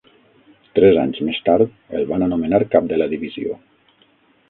Tres anys més tard, el van anomenar cap de la divisió.